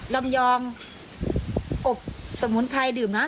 ลำยองอบสมุนไพรดื่มนะ